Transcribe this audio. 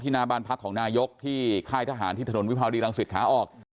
หน้าบ้านพักของนายกที่ค่ายทหารที่ถนนวิภาวดีรังสิตขาออก